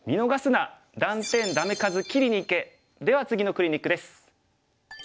では次のクリニックです。